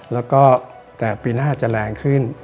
แล้วก็แต่ปีหน้าจะแรงขึ้น